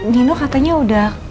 nino katanya udah